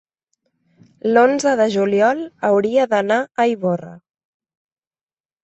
l'onze de juliol hauria d'anar a Ivorra.